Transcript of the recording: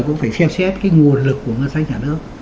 cũng phải xem xét cái nguồn lực của ngân sách nhà nước